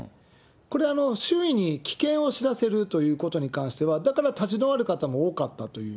これ、周囲に危険を知らせるということに関しては、だから立ち止まる方も多かったという。